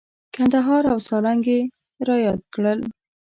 کندهار او سالنګ یې را یاد کړل.